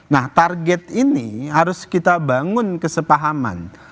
nah target ini harus kita bangun kesepahaman